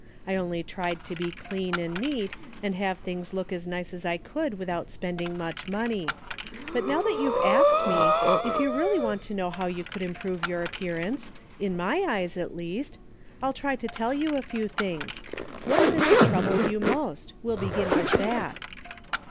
I only tried to be clean and neat, and have things look as nice as I could without spend ing much money. But now that you've asked me, if you really want to know how 3^ou could improve your appearance, in my eyes at least. I'll try to tell you a few things. What is it that troubles you most? We'll begin with that."